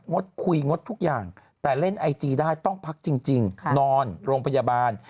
งดคุยงดทุกอย่างแต่เล่นไอจีได้ต้องพักจริงนอนโรงพยาบาล